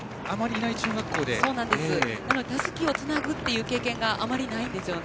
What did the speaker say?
なので、たすきをつなぐという経験があまりないんですよね。